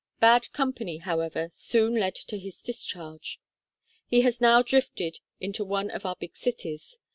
Bad company, however, soon led to his discharge. He has now drifted into one of our big cities.